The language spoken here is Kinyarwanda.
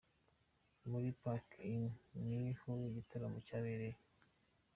Muri Park inn ni ho iki gitaramo cyabereye.